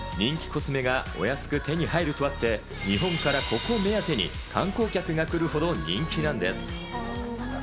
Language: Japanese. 人気コスメがお安く手に入るとあって、日本からここ目当てに観光客が来るほど人気なんです。